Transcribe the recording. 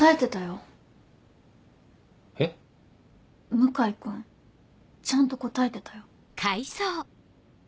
向井君ちゃんと答えてたよ。